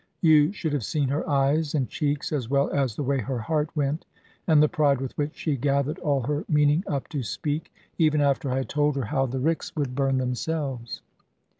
You should have seen her eyes and cheeks, as well as the way her heart went; and the pride with which she gathered all her meaning up to speak; even after I had told her how the ricks would burn themselves.